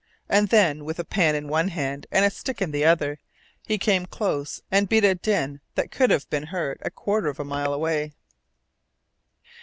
And then, with a pan in one hand and a stick in the other, he came close and beat a din that could have been heard a quarter of a mile away.